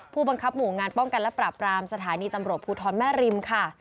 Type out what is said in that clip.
ผู้บังคับหมู่งานป้องกันและปราบรามสถานีตำรวจภูทรแม่ริมค่ะ